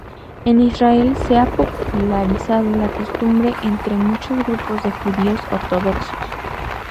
En Israel se ha popularizado la costumbre entre muchos grupos de judíos ortodoxos.